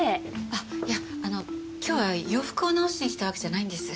あっいやあの今日は洋服を直しに来たわけじゃないんです。